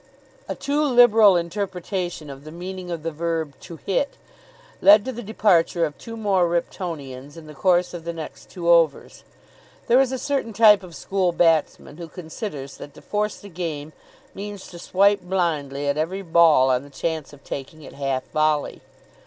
A too liberal interpretation of the meaning of the verb "to hit" led to the departure of two more Riptonians in the course of the next two overs. There is a certain type of school batsman who considers that to force the game means to swipe blindly at every ball on the chance of taking it half volley.